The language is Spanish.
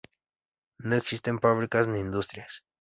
No existen fábricas ni industrias.